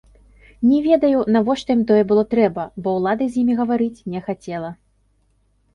Не ведаю, навошта ім тое было трэба, бо ўлада з імі гаварыць не хацела.